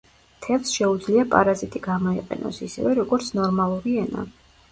თევზს შეუძლია პარაზიტი გამოიყენოს ისევე, როგორც ნორმალური ენა.